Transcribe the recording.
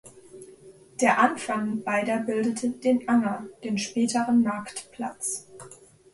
Der Anfang beider bildete den Anger, den späteren Marktplatz.